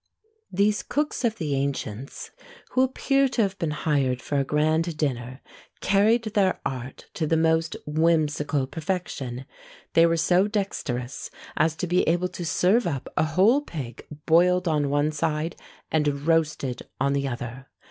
These cooks of the ancients, who appear to have been hired for a grand dinner, carried their art to the most whimsical perfection. They were so dexterous as to be able to serve up a whole pig boiled on one side, and roasted on the other.